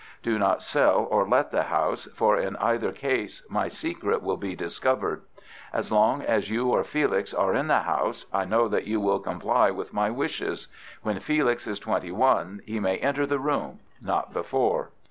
Do not sell or let the house, for in either case my secret will be discovered. As long as you or Felix are in the house, I know that you will comply with my wishes. When Felix is twenty one he may enter the room—not before.